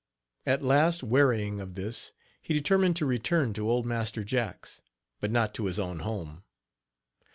At last wearying of this, he determined to return to old Master Jack's, but not to his own home.